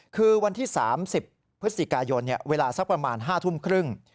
คือวันที่๓๐พฤศจิกายนเวลาสักประมาณ๕ทุ่มครึ่ง